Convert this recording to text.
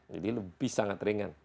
jadi lebih sangat ringan